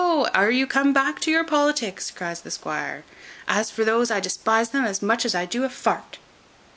are you come back to your politics?" cries the squire: "as for those I despise them as much as I do a f t."